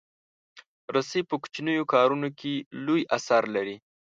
رسۍ په کوچنیو کارونو کې لوی اثر لري.